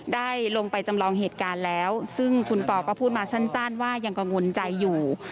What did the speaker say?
ได้ลงไปจำลองเหตุการณ์แล้วซึ่งคุณปอก็พูดมาสั้นว่ายังกังวลใจอยู่